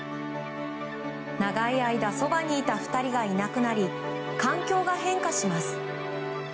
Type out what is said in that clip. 長い間そばにいた２人がいなくなり環境が変化します。